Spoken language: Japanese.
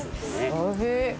おいしい。